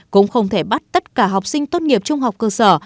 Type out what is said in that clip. cũng không thể bắt tất cả học sinh tốt nghiệp trung học cơ sở